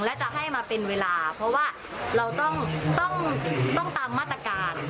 และจะให้มาเป็นเวลาเพราะว่าเราต้องตามมาตรการ